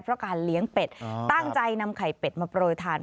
เพราะการเลี้ยงเป็ดตั้งใจนำไข่เป็ดมาโปรยทาน